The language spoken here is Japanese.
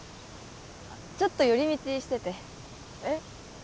ちょっと寄り道しててえっ